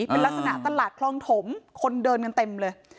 เป็นลักษณะตลาดคลองถมคนเดินกันเต็มเลย